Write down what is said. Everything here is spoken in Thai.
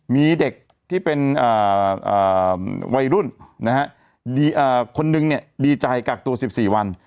มีเด็กที่เป็นวัยรุ่นคนนึงดีใจกักตัว๑๔วัน